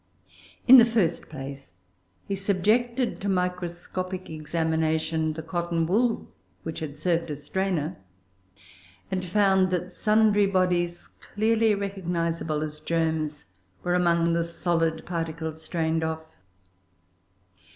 In the first place he subjected to microscopic examination the cotton wool which had served as strainer, and found that sundry bodies clearly recognisable as germs, were among the solid particles strained off.